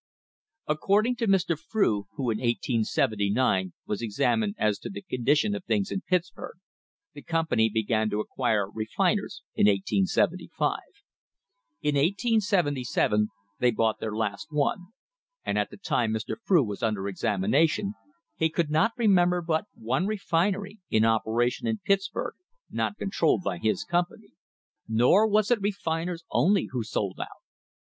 According to Mr. Frew, who in 1879 was examined as to the condition of things in Pittsburg, the company began to "acquire refiners" in 1875. In 1877 they bought their last one; and at the time Mr. Frew was under examination he could not remember but one refinery in operation in Pitts burg not controlled by his company. Nor was it refiners only who sold out.